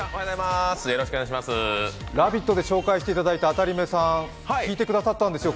「ラヴィット！」で紹介していただいたあたりめさん弾いてくださったんですよ